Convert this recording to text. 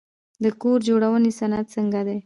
د کور جوړونې صنعت څنګه دی؟